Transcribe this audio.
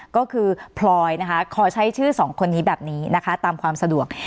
ก็คือพลอยนะคะขอใช้ชื่อสองคนนี้แบบนี้นะคะตามความสะดวก